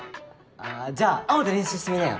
あぁじゃあ青で練習してみなよ。